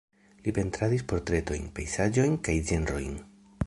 Li pentradis portretojn, pejzaĝojn kaj ĝenrojn.